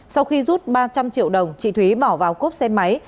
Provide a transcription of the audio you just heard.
sau khi rút ba trăm linh triệu đồng chị thúy bỏ vào cốp xe máy